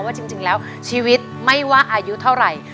ว่าจริงแล้วชีวิตไม่ว่าอายุเท่าไหร่